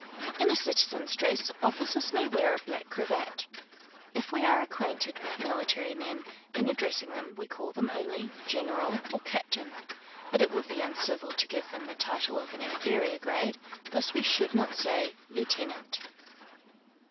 In a citizen's dress, officers may wear a black cravat. If we are acquainted with military men, in addressing them, we call them only general, or captain; but it would be uncivil to give them the title of an inferior grade thus we should not say lieutenant.